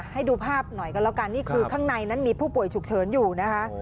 ให้ดูภาพหน่อยกันแล้วกันนี่คือข้างในนั้นมีผู้ป่วยฉุกเฉินอยู่นะคะ